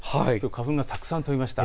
花粉がたくさん飛びました。